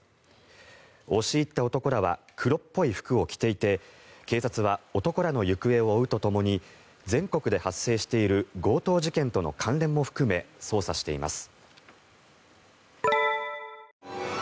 押し入った男らは黒っぽい服を着ていて警察は男らの行方を追うとともに全国で発生している強盗事件との関連も含め捜査しています。